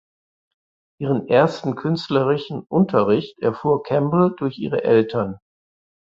Ihren ersten künstlerischen Unterricht erfuhr Kemble durch ihre Eltern.